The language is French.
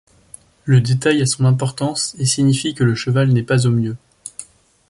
Le détail a son importance et signifie que le cheval n'est pas au mieux.